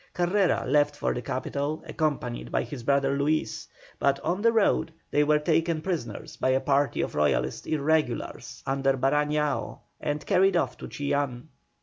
Carrera left for the capital accompanied by his brother Luis, but on the road they were taken prisoners by a party of Royalist irregulars under Barañao, and carried off to Chillán.